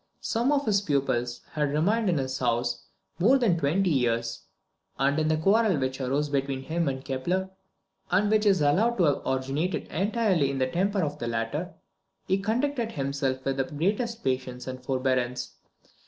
Some of his pupils had remained in his house more than twenty years; and in the quarrel which arose between him and Kepler, and which is allowed to have originated entirely in the temper of the latter, he conducted himself with the greatest patience and forbearance.